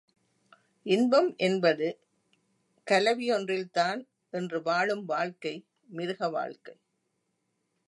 இன்பம் என்பது கலவியொன்றில்தான் என்று வாழும் வாழ்க்கை மிருக வாழ்க்கை.